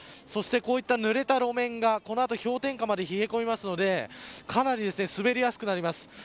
そして、こういったぬれた路面がこの後氷点下まで続きますのでかなり滑りやすくなります。